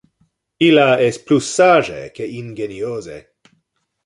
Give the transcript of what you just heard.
Illa es plus sage que ingeniose.